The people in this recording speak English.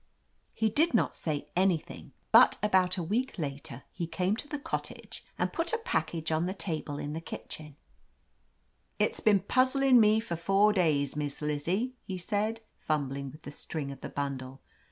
He did not say anything, but about a week later he came to the cpttage and put a package on the table in the kitchen. 219 THE AMAZING ADVENTURES "It's been puzzlin' me for four days. Miss Lizzie," he said, fumbling with the string of the bundle.